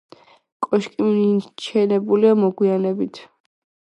კოშკი მიშენებულია მოგვიანებით.